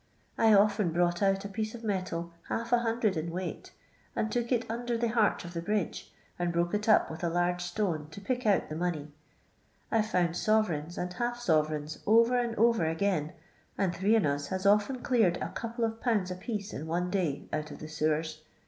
I often brought out a piece of metal half a hundred in weight, and took it under the harch of the bridge, and broke it up with a large stone to pick out the money. I 've found sovereigns and half sovereigns over and over ag'in, and three on us has often cleared a couple of pound apiece in one day out of the sewer*.